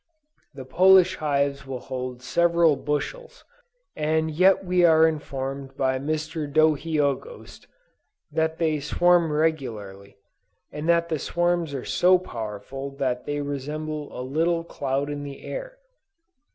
The Polish hives will hold several bushels, and yet we are informed by Mr. Dohiogost, that they swarm regularly, and that the swarms are so powerful that "they resemble a little cloud in the air."